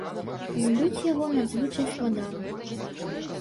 Збыць яго надзвычай складана.